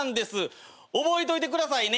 「覚えといてくださいね」